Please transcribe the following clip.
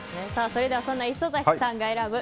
それではそんな磯崎さんが選ぶ